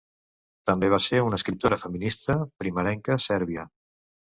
També va ser una escriptora feminista primerenca sèrbia.